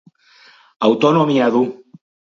Autonomia du.